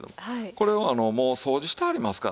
これはもう掃除してありますからね。